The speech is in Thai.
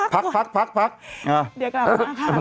พักพักเดี๋ยวก่อนพัก